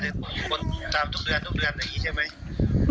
ทุกคนตามทุกเดือนทุกเดือนอย่างนี้ใช่ไหม